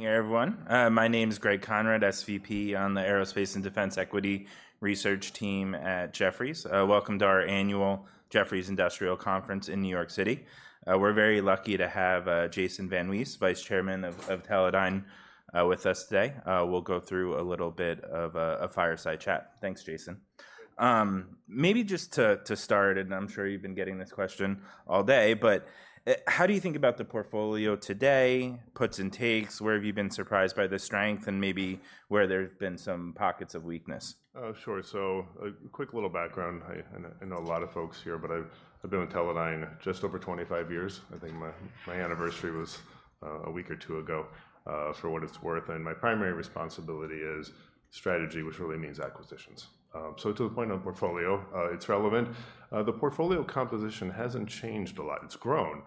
Good evening, everyone. My name is Greg Konrad, SVP on the Aerospace and Defense Equity Research Team at Jefferies. Welcome to our annual Jefferies Industrial Conference in New York City. We're very lucky to have Jason VanWees, Vice Chairman of Teledyne, with us today. We'll go through a little bit of a fireside chat. Thanks, Jason. Maybe just to start, and I'm sure you've been getting this question all day, but how do you think about the portfolio today, puts and takes? Where have you been surprised by the strength, and maybe where there's been some pockets of weakness? Sure. So a quick little background. I know a lot of folks here, but I've been with Teledyne just over 25 years. I think my anniversary was a week or two ago, for what it's worth, and my primary responsibility is strategy, which really means acquisitions. So to the point of the portfolio, it's relevant. The portfolio composition hasn't changed a lot. It's grown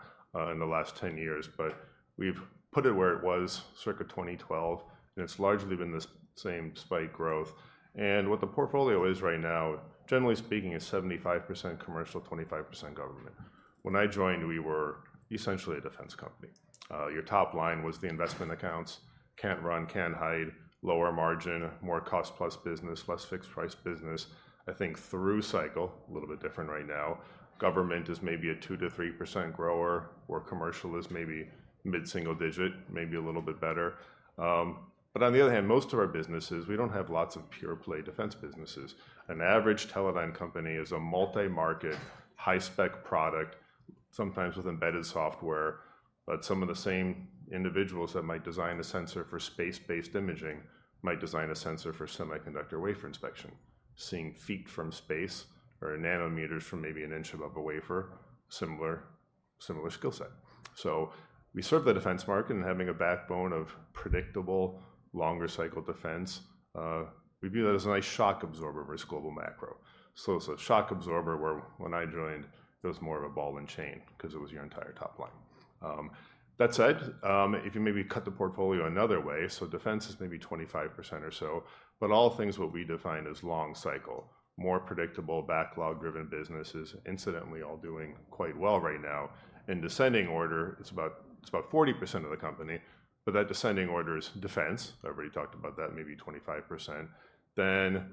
in the last 10 years, but we've put it where it was circa 2012, and it's largely been the same spike growth. And what the portfolio is right now, generally speaking, is 75% commercial, 25% government. When I joined, we were essentially a defense company. Your top line was the investment accounts, can't run, can't hide, lower margin, more cost-plus business, less fixed-price business. I think through cycle, a little bit different right now, government is maybe a 2%-3% grower, where commercial is maybe mid-single digit, maybe a little bit better, but on the other hand, most of our businesses, we don't have lots of pure play defense businesses. An average Teledyne company is a multi-market, high-spec product, sometimes with embedded software, but some of the same individuals that might design a sensor for space-based imaging might design a sensor for semiconductor wafer inspection. Seeing feet from space or nanometers from maybe an inch above a wafer, similar skill set, so we serve the defense market, and having a backbone of predictable, longer cycle defense, we view that as a nice shock absorber versus global macro. Shock absorber, where when I joined, it was more of a ball and chain 'cause it was your entire top line. That said, if you maybe cut the portfolio another way, so defense is maybe 25% or so, but all things what we define as long cycle, more predictable, backlog-driven businesses, incidentally, all doing quite well right now. In descending order, it's about 40% of the company, but that descending order is defense. I already talked about that, maybe 25%. Then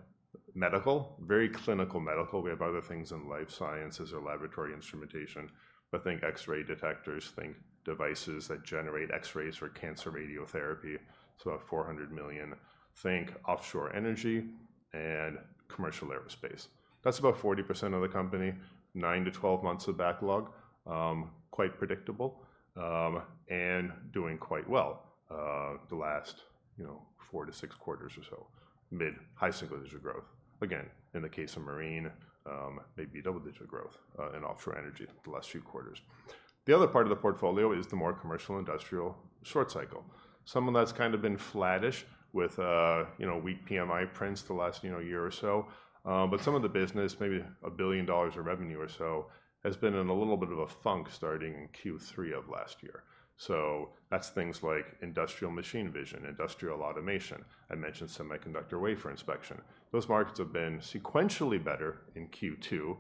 medical, very clinical medical. We have other things in life sciences or laboratory instrumentation, but think X-ray detectors, think devices that generate X-rays for cancer radiotherapy, so about $400 million. Think offshore energy and commercial aerospace. That's about 40% of the company, 9-12 months of backlog, quite predictable, and doing quite well, the last, you know, 4-6 quarters or so, mid- to high single-digit growth. Again, in the case of marine, maybe double-digit growth, in offshore energy the last few quarters. The other part of the portfolio is the more commercial, industrial, short cycle. Some of that's kind of been flattish with, you know, weak PMI prints the last, you know, year or so. But some of the business, maybe $1 billion in revenue or so, has been in a little bit of a funk starting in Q3 of last year. That's things like industrial machine vision, industrial automation. I mentioned semiconductor wafer inspection. Those markets have been sequentially better in Q2,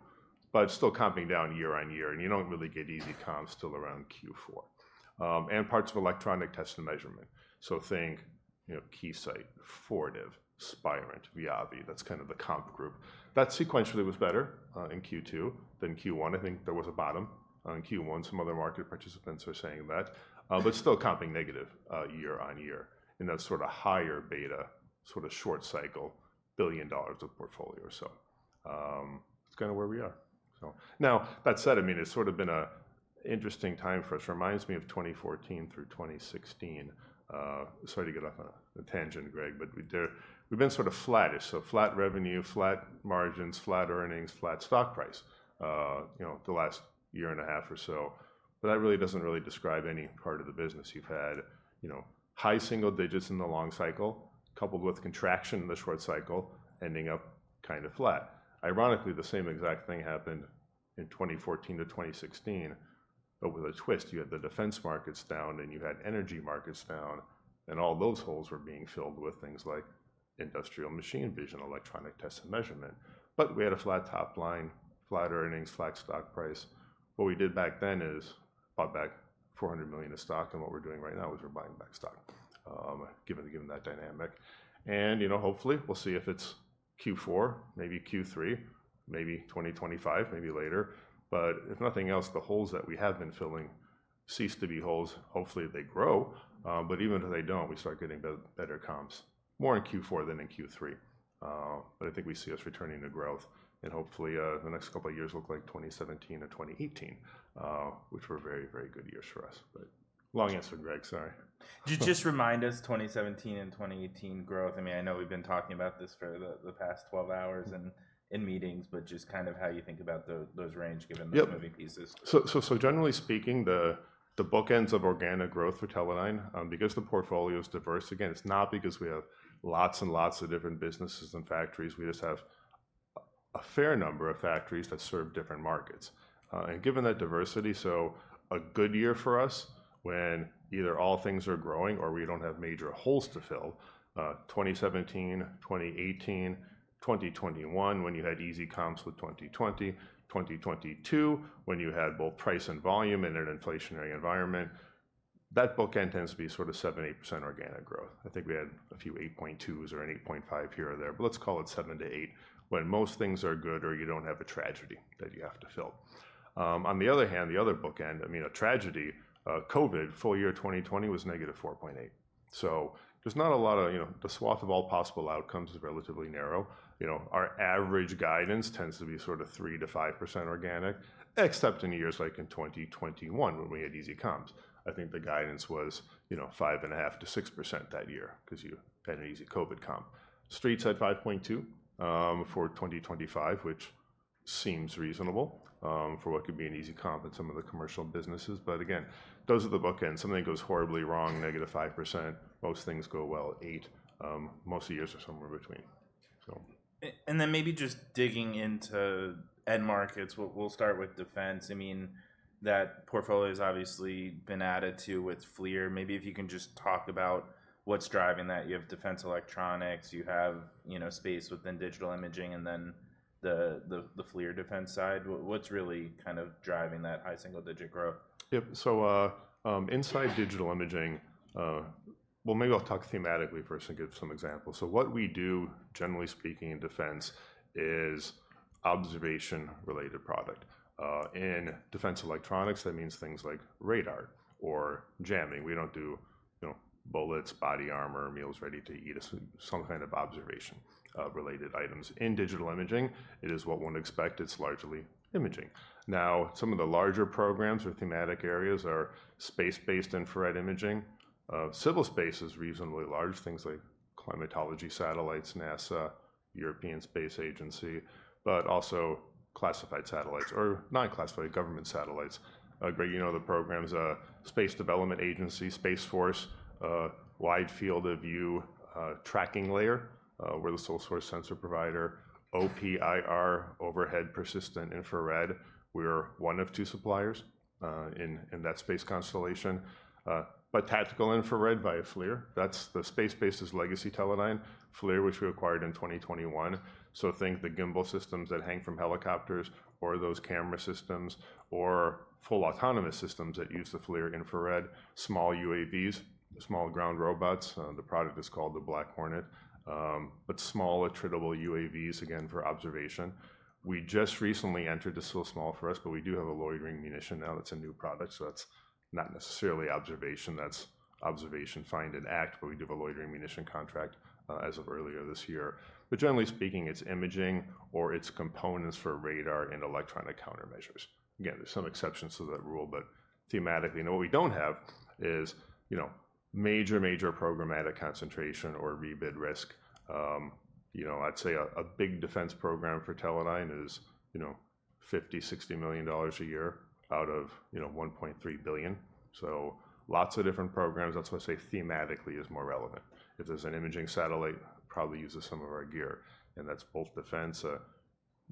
but still comping down year on year, and you don't really get easy comps till around Q4, and parts of electronic test and measurement, so think, you know, Keysight, Fortive, Spirent, Viavi, that's kind of the comp group. That sequentially was better in Q2 than Q1. I think there was a bottom in Q1. Some other market participants are saying that, but still comping negative year on year in that sort of higher beta, sort of short cycle, billion dollars of portfolio or so. That's kinda where we are, so. Now, that said, I mean, it's sort of been an interesting time for us. Reminds me of twenty fourteen through twenty sixteen. Sorry to get off on a tangent, Greg, but we've been sort of flattish, so flat revenue, flat margins, flat earnings, flat stock price, you know, the last year and a half or so. But that really doesn't describe any part of the business. You've had, you know, high single digits in the long cycle, coupled with contraction in the short cycle, ending up kind of flat. Ironically, the same exact thing happened in 2014 to 2016, but with a twist. You had the defense markets down, and you had energy markets down, and all those holes were being filled with things like industrial machine vision, electronic test and measurement. But we had a flat top line, flat earnings, flat stock price. What we did back then is bought back $400 million of stock, and what we're doing right now is we're buying back stock, given that dynamic. You know, hopefully, we'll see if it's Q4, maybe Q3, maybe 2025, maybe later. But if nothing else, the holes that we have been filling cease to be holes. Hopefully, they grow, but even if they don't, we start getting better comps, more in Q4 than in Q3. I think we see us returning to growth, and hopefully, the next couple of years look like 2017 and 2018, which were very, very good years for us. But long answer, Greg, sorry. Just remind us, 2017 and 2018 growth. I mean, I know we've been talking about this for the past 12 hours and in meetings, but just kind of how you think about those range given- Yep... the moving pieces. Generally speaking, the bookends of organic growth for Teledyne, because the portfolio is diverse, again, it's not because we have lots and lots of different businesses and factories. We just have a fair number of factories that serve different markets. And given that diversity, so a good year for us when either all things are growing or we don't have major holes to fill, 2017, 2018, 2021, when you had easy comps with 2020, 2022, when you had both price and volume in an inflationary environment, that bookend tends to be sort of 7-8% organic growth. I think we had a few 8.2s or an 8.5 here or there, but let's call it 7-8% when most things are good, or you don't have a tragedy that you have to fill. On the other hand, the other bookend, I mean, a tragedy, COVID, full year 2020 was -4.8%. So there's not a lot of, you know, the swath of all possible outcomes is relatively narrow. You know, our average guidance tends to be sort of 3%-5% organic, except in years like in 2021, when we had easy comps. I think the guidance was, you know, 5.5%-6% that year 'cause you had an easy COVID comp. Street's at 5.2% for 2025, which seems reasonable, for what could be an easy comp in some of the commercial businesses. But again, those are the bookends. Something goes horribly wrong, -5%. Most things go well, 8%, most of the years are somewhere between. So- And then maybe just digging into end markets. We'll start with defense. I mean, that portfolio's obviously been added to with FLIR. Maybe if you can just talk about what's driving that. You have defense electronics, you have, you know, space within digital imaging, and then the FLIR defense side. What's really kind of driving that high single digit growth? Yep. Inside digital imaging. Well, maybe I'll talk thematically first and give some examples. So what we do, generally speaking, in defense is observation-related product. In defense electronics, that means things like radar or jamming. We don't do, you know, bullets, body armor, meals ready to eat. It's some kind of observation related items. In digital imaging, it is what one would expect. It's largely imaging. Now, some of the larger programs or thematic areas are space-based infrared imaging. Civil space is reasonably large, things like climatology, satellites, NASA, European Space Agency, but also classified satellites or non-classified government satellites. Greg, you know the programs, Space Development Agency, Space Force, wide field of view, tracking layer, we're the sole source sensor provider. OPIR, Overhead Persistent Infrared, we're one of two suppliers in that space constellation. But tactical infrared via FLIR, that's the space-based legacy Teledyne FLIR, which we acquired in 2021. So think the gimbal systems that hang from helicopters or those camera systems, or full autonomous systems that use the FLIR infrared, small UAVs, small ground robots, the product is called the Black Hornet, but small, attritable UAVs, again, for observation. We just recently entered. It's still small for us, but we do have a loitering munition now. That's a new product, so that's not necessarily observation, that's observation, find and act, but we do have a loitering munition contract, as of earlier this year. But generally speaking, it's imaging or its components for radar and electronic countermeasures. Again, there's some exceptions to that rule, but thematically. Now, what we don't have is, you know, major, major programmatic concentration or rebid risk. You know, I'd say a big defense program for Teledyne is, you know, $50 million-$60 million a year out of, you know, $1.3 billion. So lots of different programs. That's why I say thematically is more relevant. If there's an imaging satellite, probably uses some of our gear, and that's both defense.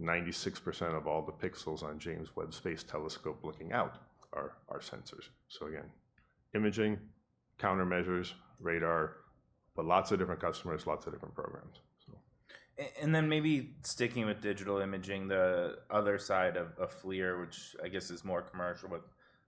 96% of all the pixels on James Webb Space Telescope looking out are our sensors. So again, imaging, countermeasures, radar, but lots of different customers, lots of different programs. So- And then maybe sticking with digital imaging, the other side of FLIR, which I guess is more commercial with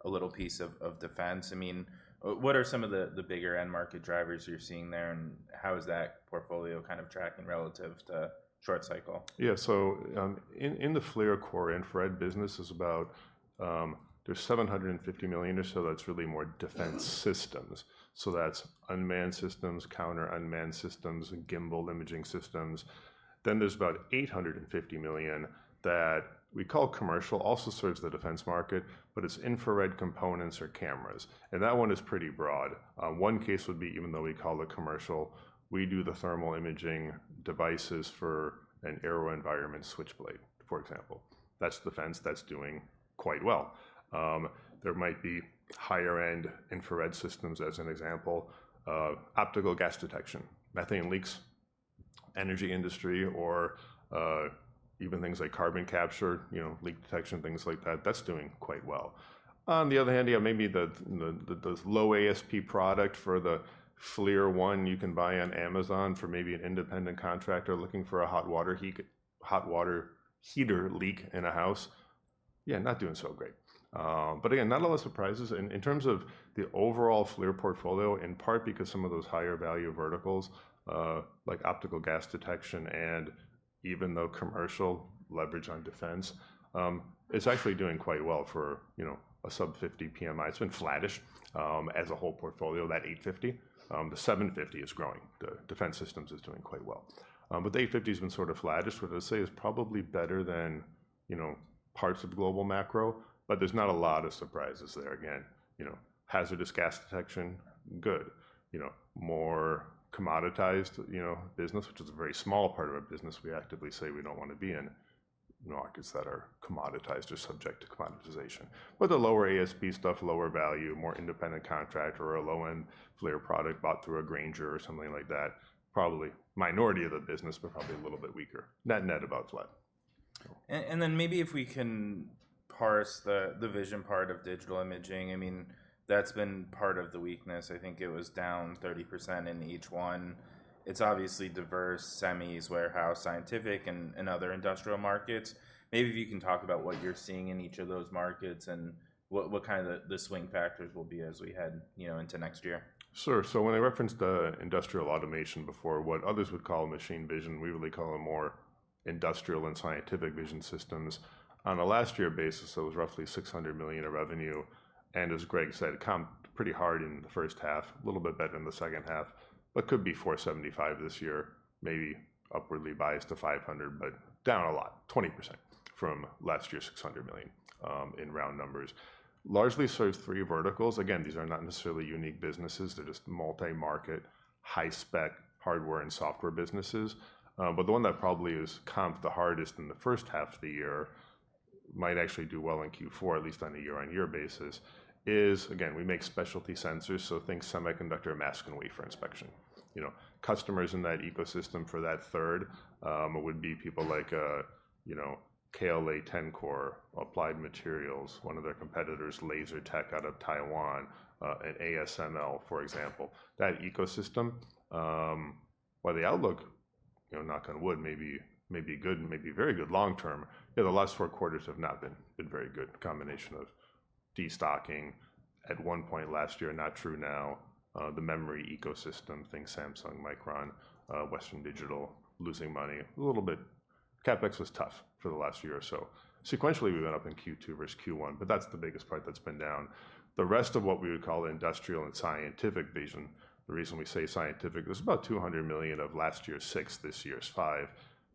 a little piece of defense. I mean, what are some of the bigger end market drivers you're seeing there, and how is that portfolio kind of tracking relative to short cycle? Yeah. So, in the FLIR core, infrared business is about $750 million or so. That's really more defense systems. So that's unmanned systems, counter unmanned systems, and gimbal imaging systems. Then there's about $850 million that we call commercial, also serves the defense market, but it's infrared components or cameras, and that one is pretty broad. One case would be, even though we call it commercial, we do the thermal imaging devices for an AeroVironment Switchblade, for example. That's defense, that's doing quite well. There might be higher end infrared systems as an example, optical gas detection, methane leaks, energy industry, or even things like carbon capture, you know, leak detection, things like that. That's doing quite well. On the other hand, yeah, maybe the low ASP product for the FLIR One you can buy on Amazon for maybe an independent contractor looking for a hot water heater leak in a house, yeah, not doing so great. But again, not a lot of surprises. In terms of the overall FLIR portfolio, in part because some of those higher value verticals, like optical gas detection and even the commercial leverage on defense, it's actually doing quite well for, you know, a sub-50 PMI. It's been flattish, as a whole portfolio, that 850. The 750 is growing. The defense systems is doing quite well. But the 850's been sort of flattish, but I'd say it's probably better than, you know, parts of global macro, but there's not a lot of surprises there. Again, you know, hazardous gas detection, good. You know, more commoditized, you know, business, which is a very small part of our business we actively say we don't wanna be in. Markets that are commoditized or subject to commoditization. But the lower ASP stuff, lower value, more independent contractor, or a low-end FLIR product bought through a Grainger or something like that, probably minority of the business, but probably a little bit weaker. Net, net, about flat. And then maybe if we can parse the vision part of digital imaging. I mean, that's been part of the weakness. I think it was down 30% in each one. It's obviously diverse, semis, warehouse, scientific, and other industrial markets. Maybe if you can talk about what you're seeing in each of those markets, and what kind of the swing factors will be as we head, you know, into next year. Sure. So when I referenced the industrial automation before, what others would call machine vision, we really call it more industrial and scientific vision systems. On a last year basis, it was roughly $600 million of revenue, and as Greg said, comped pretty hard in the first half, a little bit better in the second half. But could be $475 million this year, maybe upwardly biased to $500 million, but down a lot, 20% from last year's $600 million, in round numbers. Largely serves three verticals. Again, these are not necessarily unique businesses, they're just multi-market, high-spec hardware and software businesses. But the one that probably is comped the hardest in the first half of the year, might actually do well in Q4, at least on a year-on-year basis, is... Again, we make specialty sensors, so think semiconductor mask and wafer inspection. You know, customers in that ecosystem for that third would be people like, you know, KLA-Tencor, Applied Materials, one of their competitors, Lasertec, out of Taiwan, and ASML, for example. That ecosystem, while the outlook, you know, knock on wood, may be good and may be very good long term, you know, the last four quarters have not been very good. Combination of destocking at one point last year, not true now. The memory ecosystem, think Samsung, Micron, Western Digital, losing money a little bit. CapEx was tough for the last year or so. Sequentially, we've been up in Q2 versus Q1, but that's the biggest part that's been down. The rest of what we would call industrial and scientific vision, the reason we say scientific, there's about two hundred million of last year's six, this year's five.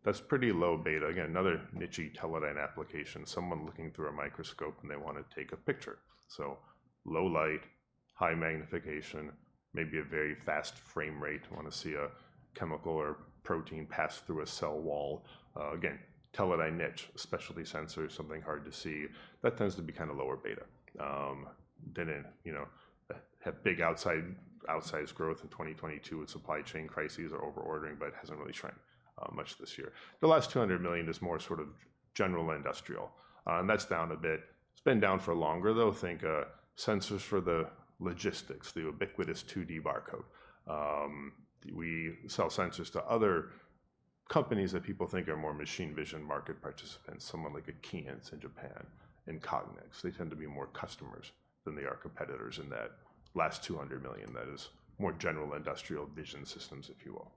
That's pretty low beta. Again, another niche-y Teledyne application. Someone looking through a microscope, and they want to take a picture, so low light, high magnification, maybe a very fast frame rate, want to see a chemical or protein pass through a cell wall. Again, Teledyne niche, specialty sensor, something hard to see. That tends to be kind of lower beta. Didn't, you know, have big outsized growth in 2022 with supply chain crises or over-ordering, but hasn't really shrank much this year. The last $200 million is more sort of general industrial, and that's down a bit. It's been down for longer, though. Think sensors for the logistics, the ubiquitous 2D barcode. We sell sensors to other companies that people think are more machine vision market participants, someone like a Keyence in Japan and Cognex. They tend to be more customers than they are competitors in that last $200 million, that is more general industrial vision systems, if you will.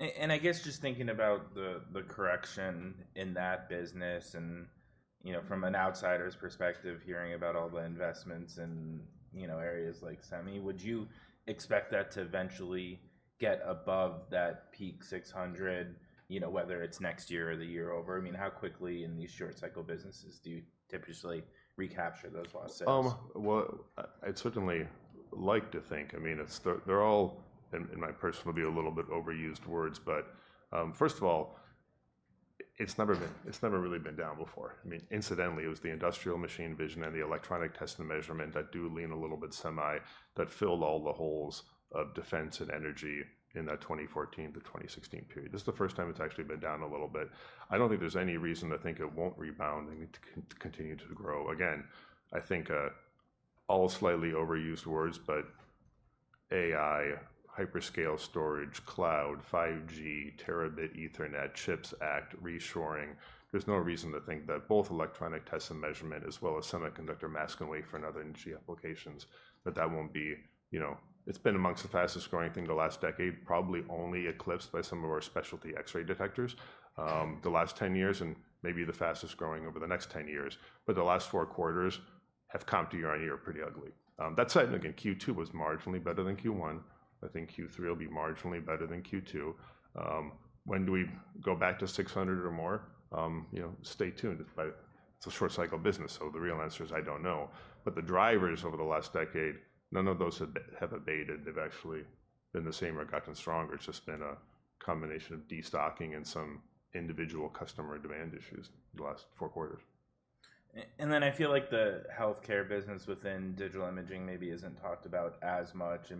So... And I guess just thinking about the correction in that business and, you know, from an outsider's perspective, hearing about all the investments in, you know, areas like semi, would you expect that to eventually get above that peak six hundred, you know, whether it's next year or the year over? I mean, how quickly in these short cycle businesses do you typically recapture those lost sales? I'd certainly like to think. I mean, they're all, and my personal view, a little bit overused words, but first of all, it's never been. It's never really been down before. I mean, incidentally, it was the industrial machine vision and the electronic test and measurement that do lean a little bit semi, that filled all the holes of defense and energy in that 2014 to 2016 period. This is the first time it's actually been down a little bit. I don't think there's any reason to think it won't rebound and continue to grow. Again, I think all slightly overused words, but AI, hyperscale storage, cloud, 5G, terabit Ethernet, CHIPS Act, reshoring. There's no reason to think that both electronic test and measurement, as well as semiconductor mask and wafer and other niche applications, that won't be... You know, it's been amongst the fastest growing thing in the last decade, probably only eclipsed by some of our specialty X-ray detectors, the last ten years, and maybe the fastest growing over the next ten years. But the last four quarters have comped year on year pretty ugly. That said, again, Q2 was marginally better than Q1. I think Q3 will be marginally better than Q2. When do we go back to six hundred or more? You know, stay tuned. But it's a short cycle business, so the real answer is, I don't know. But the drivers over the last decade, none of those have abated. They've actually been the same or gotten stronger. It's just been a combination of destocking and some individual customer demand issues the last four quarters. And then I feel like the healthcare business within digital imaging maybe isn't talked about as much. I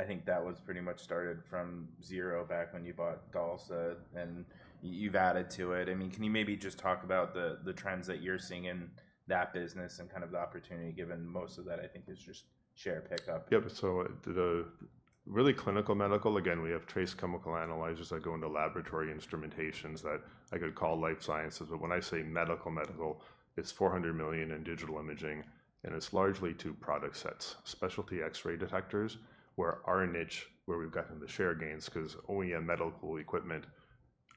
mean, I think that was pretty much started from zero back when you bought DALSA, and you've added to it. I mean, can you maybe just talk about the trends that you're seeing in that business and kind of the opportunity, given most of that, I think, is just share pickup? Yep. So the really clinical medical, again, we have trace chemical analyzers that go into laboratory instrumentations that I could call life sciences. But when I say medical, it's $400 million in digital imaging, and it's largely two product sets: specialty X-ray detectors, where our niche, where we've gotten the share gains, 'cause OEM medical equipment,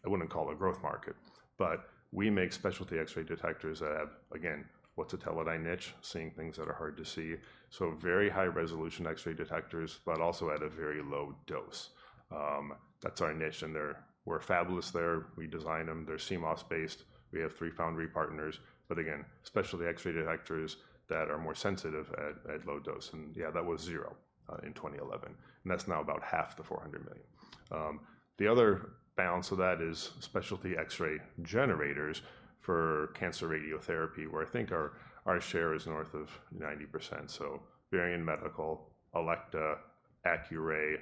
I wouldn't call it a growth market. But we make specialty X-ray detectors that have, again, what's a Teledyne niche, seeing things that are hard to see. So very high resolution X-ray detectors, but also at a very low dose. That's our niche, and we're fabulous there. We design them. They're CMOS-based. We have three foundry partners, but again, specialty X-ray detectors that are more sensitive at low dose. And yeah, that was zero in 2011, and that's now about half the $400 million. The other balance of that is specialty X-ray generators for cancer radiotherapy, where I think our share is north of 90%. So Varian Medical, Elekta, Accuray,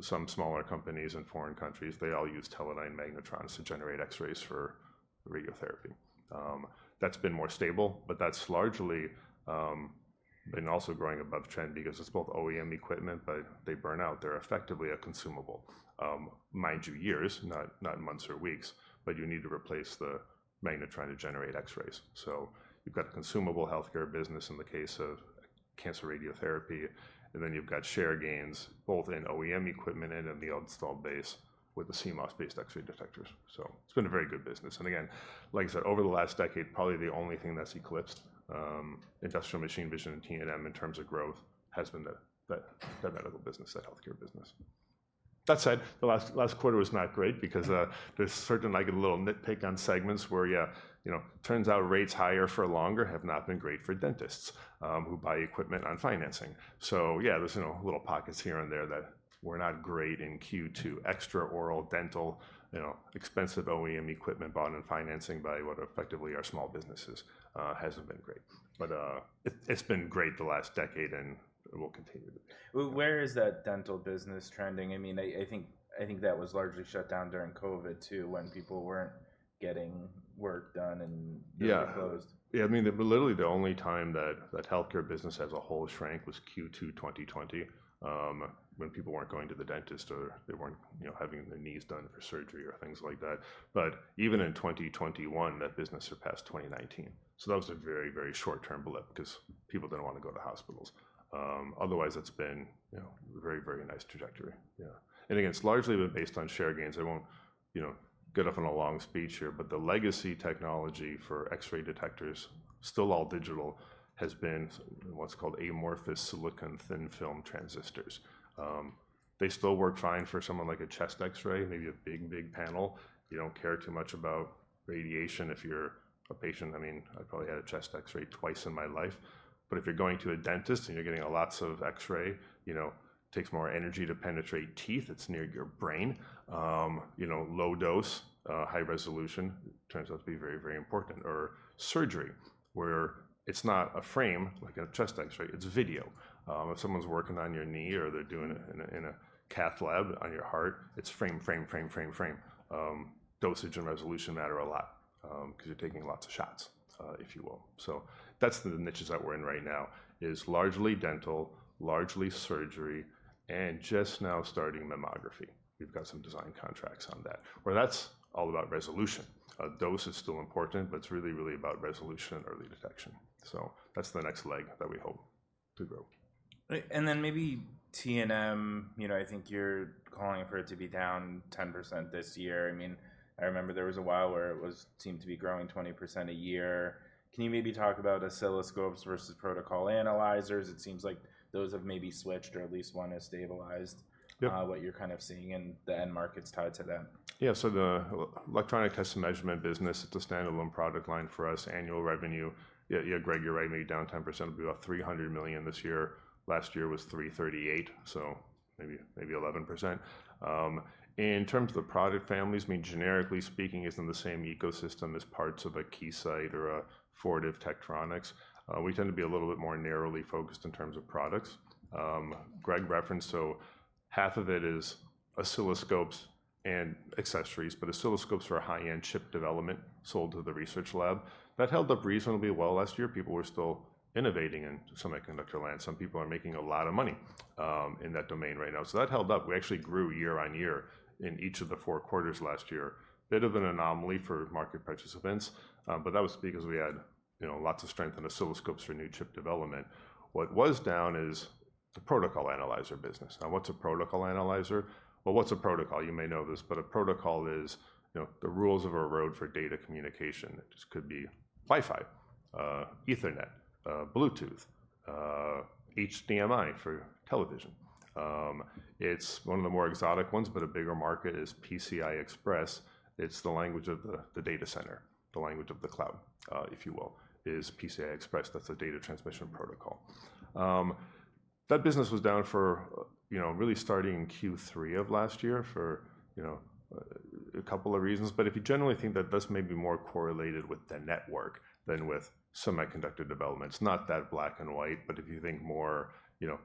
some smaller companies in foreign countries, they all use Teledyne magnetrons to generate X-rays for radiotherapy. That's been more stable, but that's largely and also growing above trend because it's both OEM equipment, but they burn out. They're effectively a consumable. Mind you, years, not months or weeks, but you need to replace the magnetron trying to generate X-rays. So you've got a consumable healthcare business in the case of cancer radiotherapy, and then you've got share gains both in OEM equipment and in the installed base with the CMOS-based X-ray detectors. So it's been a very good business. And again, like I said, over the last decade, probably the only thing that's eclipsed industrial machine vision and T&M in terms of growth has been that medical business, that healthcare business. That said, the last quarter was not great because there's certain, like a little nitpick on segments where, yeah, you know, turns out rates higher for longer have not been great for dentists who buy equipment on financing. So yeah, there's, you know, little pockets here and there that were not great in Q2. Extraoral dental, you know, expensive OEM equipment bought on financing by what effectively are small businesses hasn't been great. But it's been great the last decade, and it will continue to be. Where is that dental business trending? I mean, I think that was largely shut down during COVID, too, when people weren't getting work done and- Yeah Mostly closed. Yeah, I mean, literally, the only time that healthcare business as a whole shrank was Q2 2020, when people weren't going to the dentist or they weren't, you know, having their knees done for surgery or things like that. But even in 2021, that business surpassed 2019, so that was a very, very short-term blip because people didn't wanna go to hospitals. Otherwise, it's been, you know, a very, very nice trajectory. Yeah. And again, it's largely been based on share gains. I won't, you know, get off on a long speech here, but the legacy technology for X-ray detectors, still all digital, has been what's called amorphous silicon thin-film transistors. They still work fine for someone like a chest X-ray, maybe a big, big panel. You don't care too much about radiation if you're a patient. I mean, I've probably had a chest X-ray twice in my life. But if you're going to a dentist and you're getting lots of X-ray, you know, it takes more energy to penetrate teeth. It's near your brain. You know, low dose, high resolution turns out to be very, very important. Or surgery, where it's not a frame like a chest X-ray, it's video. If someone's working on your knee or they're doing it in a, in a cath lab on your heart, it's frame, frame, frame, frame, frame. Dosage and resolution matter a lot, 'cause you're taking lots of shots, if you will. So that's the niches that we're in right now, is largely dental, largely surgery, and just now starting mammography. We've got some design contracts on that, where that's all about resolution. Dose is still important, but it's really, really about resolution and early detection, so that's the next leg that we hope to grow. And then maybe T&M, you know, I mean, I remember there was a while where it was seemed to be growing 20% a year. Can you maybe talk about oscilloscopes versus protocol analyzers? It seems like those have maybe switched, or at least one has stabilized- Yep. -what you're kind of seeing in the end markets tied to them. Yeah, so the electronic test and measurement business, it's a standalone product line for us. Annual revenue. Yeah, yeah, Greg, you're right, maybe down 10%, will be about $300 million this year. Last year was $338 million, so maybe, maybe 11%. In terms of the product families, I mean, generically speaking, it's in the same ecosystem as parts of a Keysight or a Fortive Tektronix. We tend to be a little bit more narrowly focused in terms of products. Greg referenced, so half of it is oscilloscopes and accessories, but oscilloscopes are a high-end chip development sold to the research lab. That held up reasonably well last year. People were still innovating in semiconductor land. Some people are making a lot of money in that domain right now, so that held up. We actually grew year on year in each of the four quarters last year. Bit of an anomaly for market participants, but that was because we had, you know, lots of strength in oscilloscopes for new chip development. What was down is the protocol analyzer business. Now, what's a protocol analyzer? Well, what's a protocol? You may know this, but a protocol is, you know, the rules of a road for data communication. It just could be Wi-Fi, Ethernet, Bluetooth, HDMI for television. It's one of the more exotic ones, but a bigger market is PCI Express. It's the language of the data center. The language of the cloud, if you will, is PCI Express. That's a data transmission protocol. That business was down for, you know, really starting in Q3 of last year for, you know, a couple of reasons. But if you generally think that this may be more correlated with the network than with semiconductor developments, not that black and white, but if you think more, you know,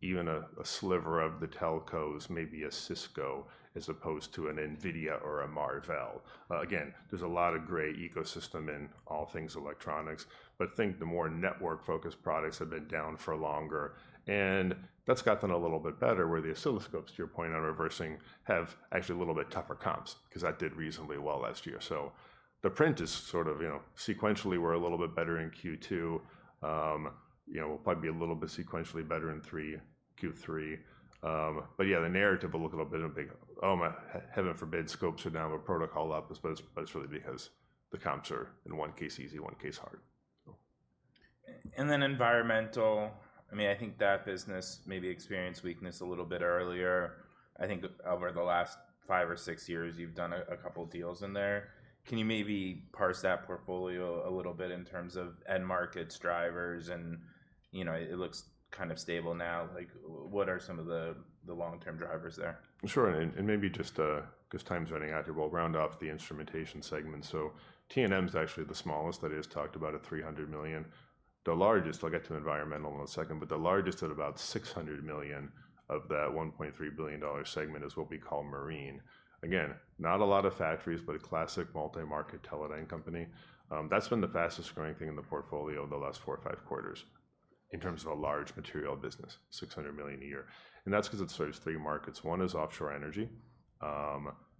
even a sliver of the telcos, maybe a Cisco, as opposed to an NVIDIA or a Marvell. Again, there's a lot of gray ecosystem in all things electronics, but think the more network-focused products have been down for longer. And that's gotten a little bit better, where the oscilloscopes, to your point, are reversing, have actually a little bit tougher comps, 'cause that did reasonably well last year. So the print is sort of, you know... Sequentially, we're a little bit better in Q2. You know, we'll probably be a little bit sequentially better in three, Q3. But yeah, the narrative will look a little bit big. Oh, my, heaven forbid, scopes are down, but protocol up, but it's really because the comps are, in one case, easy, one case, hard. So... Then environmental, I mean, I think that business maybe experienced weakness a little bit earlier. I think over the last five or six years, you've done a couple deals in there. Can you maybe parse that portfolio a little bit in terms of end markets, drivers, and, you know, it looks kind of stable now? Like, what are some of the long-term drivers there? Sure, and maybe just 'cause time's running out here, we'll round off the instrumentation segment. So T&M's actually the smallest that is talked about, at $300 million. The largest, I'll get to environmental in a second, but the largest at about $600 million of that $1.3 billion segment is what we call marine. Again, not a lot of factories, but a classic multi-market Teledyne company. That's been the fastest-growing thing in the portfolio over the last four or five quarters in terms of a large material business, $600 million a year. And that's 'cause it serves three markets. One is offshore energy.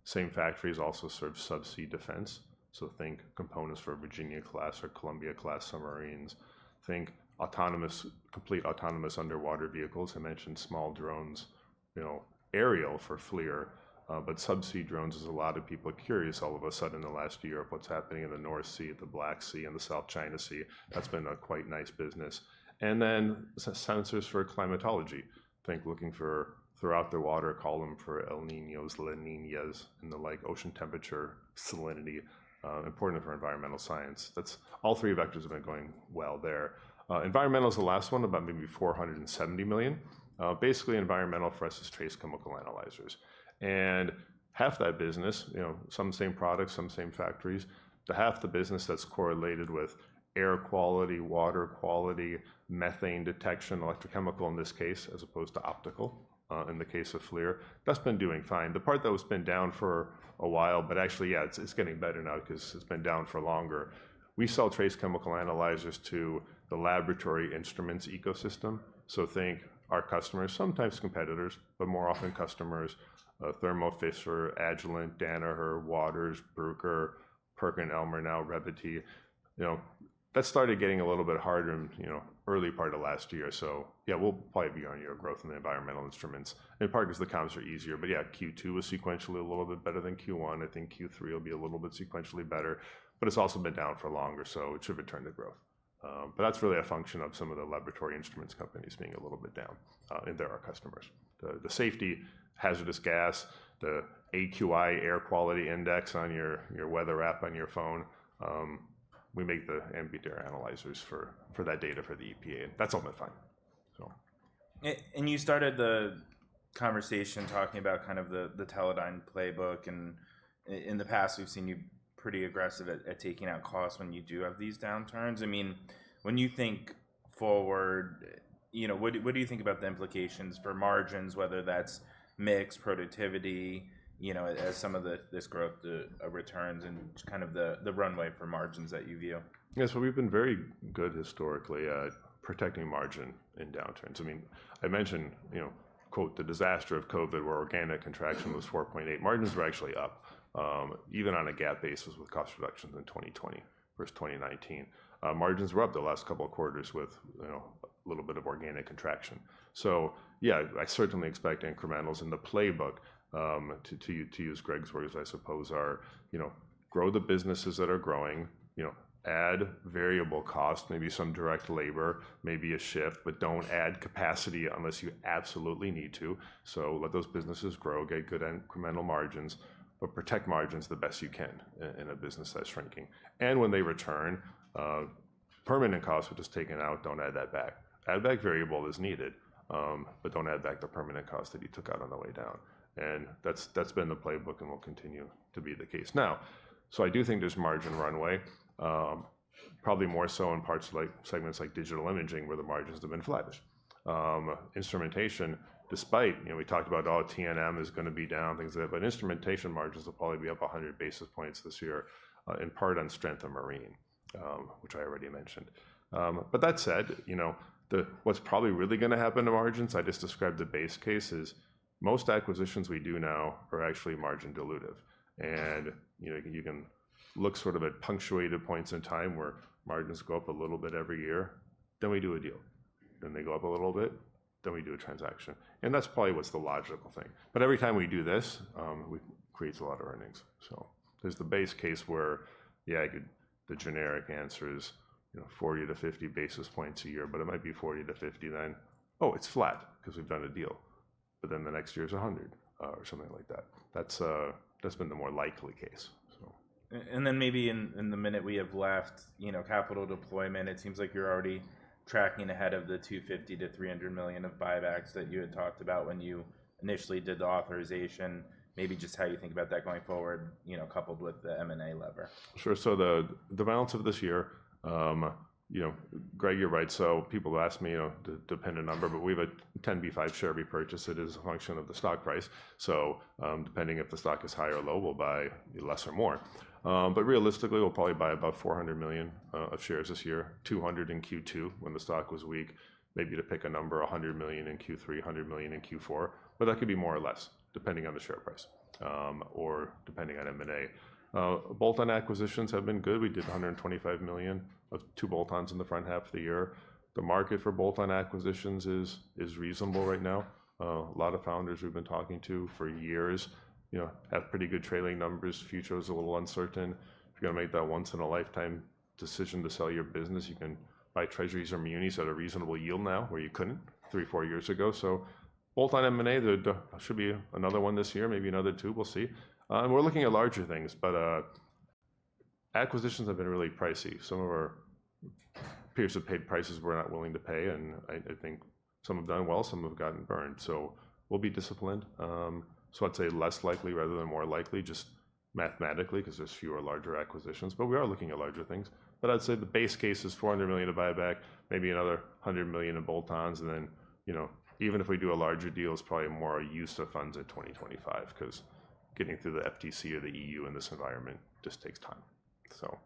Same factories also serve subsea defense, so think components for Virginia Class or Columbia Class submarines. Think autonomous, complete autonomous underwater vehicles. I mentioned small drones, you know, aerial for FLIR, but subsea drones is a lot of people are curious all of a sudden in the last year of what's happening in the North Sea, the Black Sea, and the South China Sea. That's been a quite nice business, and then sensors for climatology. Think looking for, throughout the water column, for El Niños, La Niñas, and the like, ocean temperature, salinity, important for environmental science. That's all three vectors have been going well there. Environmental is the last one, about maybe $470 million. Basically, environmental for us is trace chemical analyzers. And half that business, you know, some same products, some same factories, but half the business that's correlated with air quality, water quality, methane detection, electrochemical, in this case, as opposed to optical, in the case of FLIR, that's been doing fine. The part that has been down for a while, but actually, yeah, it's getting better now 'cause it's been down for longer. We sell trace chemical analyzers to the laboratory instruments ecosystem, so think our customers, sometimes competitors, but more often customers, Thermo Fisher, Agilent, Danaher, Waters, Bruker, PerkinElmer, now Revvity. You know, that started getting a little bit harder in, you know, early part of last year, so yeah, we'll probably be on year growth in the environmental instruments, in part 'cause the comps are easier. But yeah, Q2 was sequentially a little bit better than Q1. I think Q3 will be a little bit sequentially better, but it's also been down for longer, so it should return to growth. But that's really a function of some of the laboratory instruments companies being a little bit down, and they're our customers. The safety, hazardous gas, the AQI, air quality index, on your weather app on your phone, we make the ambient air analyzers for that data for the EPA, and that's all been fine, so. And you started the conversation talking about kind of the Teledyne playbook, and in the past, we've seen you pretty aggressive at taking out costs when you do have these downturns. I mean, when you think forward, you know, what do you think about the implications for margins, whether that's mix, productivity, you know, as some of this growth returns and kind of the runway for margins that you view? Yeah. So we've been very good historically at protecting margin in downturns. I mean, I mentioned, you know, quote, "The disaster of COVID, where organic contraction was 4.8%." Margins were actually up, even on a GAAP basis with cost reductions in 2020 versus 2019. Margins were up the last couple of quarters with, you know, a little bit of organic contraction. So yeah, I certainly expect incrementals in the playbook, to use Greg's word, you know, grow the businesses that are growing. You know, add variable cost, maybe some direct labor, maybe a shift, but don't add capacity unless you absolutely need to. So let those businesses grow, get good incremental margins, but protect margins the best you can in a business that's shrinking. And when they return, permanent costs, which is taken out, don't add that back. Add back variable as needed, but don't add back the permanent cost that you took out on the way down, and that's been the playbook and will continue to be the case. Now, so I do think there's margin runway, probably more so in parts like segments like digital imaging, where the margins have been flat. Instrumentation, despite you know, we talked about, oh, T&M is gonna be down, things like that, but instrumentation margins will probably be up a hundred basis points this year, in part on strength of marine, which I already mentioned. But that said, you know, the, what's probably really gonna happen to margins, I just described the base cases. Most acquisitions we do now are actually margin dilutive, and, you know, you can look sort of at punctuated points in time, where margins go up a little bit every year, then we do a deal. Then they go up a little bit, then we do a transaction, and that's probably what's the logical thing. But every time we do this, it creates a lot of earnings. So there's the base case where, yeah, I could... The generic answer is, you know, 40-50 basis points a year, but it might be 40-50, then, oh, it's flat 'cause we've done a deal. But then the next year is 100, or something like that. That's, that's been the more likely case, so. And then maybe in the minute we have left, you know, capital deployment, it seems like you're already tracking ahead of the $250 million-$300 million of buybacks that you had talked about when you initially did the authorization. Maybe just how you think about that going forward, you know, coupled with the M&A lever. Sure. So the balance of this year, you know, Greg, you're right. So people ask me, you know, the dividend number, but we have a 10b5-1 share repurchase. It is a function of the stock price, so, depending if the stock is high or low, we'll buy less or more. But realistically, we'll probably buy about $400 million of shares this year, $200 million in Q2, when the stock was weak. Maybe to pick a number, $100 million in Q3, $100 million in Q4, but that could be more or less, depending on the share price, or depending on M&A. Bolt-on acquisitions have been good. We did $125 million of two bolt-ons in the front half of the year. The market for bolt-on acquisitions is reasonable right now. A lot of founders we've been talking to for years, you know, have pretty good trailing numbers. Future is a little uncertain. If you're gonna make that once-in-a-lifetime decision to sell your business, you can buy treasuries or munis at a reasonable yield now, where you couldn't three, four years ago. So bolt-on M&A, there should be another one this year, maybe another two, we'll see. And we're looking at larger things, but acquisitions have been really pricey. Some of our peers have paid prices we're not willing to pay, and I think some have done well, some have gotten burned. So we'll be disciplined. So I'd say less likely, rather than more likely, just mathematically, 'cause there's fewer larger acquisitions, but we are looking at larger things. But I'd say the base case is $400 million to buyback, maybe another $100 million in bolt-ons, and then, you know, even if we do a larger deal, it's probably more a use of funds at 2025, 'cause getting through the FTC or the EU in this environment just takes time. So-